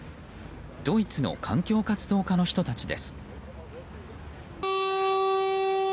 ドイツの環境活動家の人たちです。